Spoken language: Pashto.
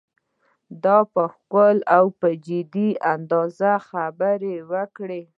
ده په ښکلي او جدي انداز خبره وکړه.